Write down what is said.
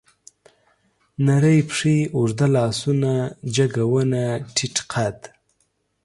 نرۍ پښې، اوږده لاسونه، جګه ونه، ټيټ قد